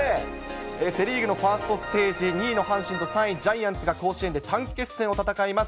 セ・リーグのファーストステージ、２位の阪神と３位ジャイアンツが甲子園で短期決戦を戦います。